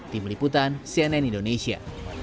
tim liputan cnn indonesia